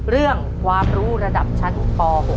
เรื่องความรู้ระดับชั้นป๖